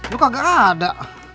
lo kagak ada